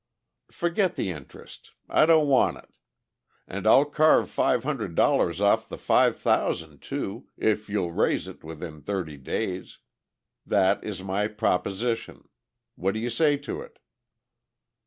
"Forget the interest; I don't want it. And I'll carve five hundred dollars off the five thousand too, if you'll raise it within thirty days. That is my proposition. What do you say to it?"